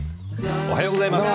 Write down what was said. おはようございます。